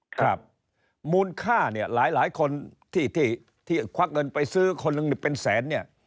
ครับมูลค่าเนี่ยหลายหลายคนที่ที่ควักเงินไปซื้อคนหนึ่งเป็นแสนเนี่ย